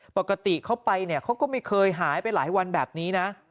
ปกติเขาไปเนี่ยเขาก็ไม่เคยหายไปหลายวันแบบนี้นะ